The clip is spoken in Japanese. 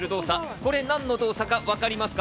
これ、何の動作かわかりますか？